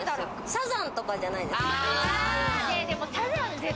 サザンとかじゃないですか？